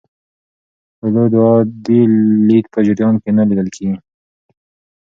اولو د عادي لید په جریان کې نه لیدل کېږي.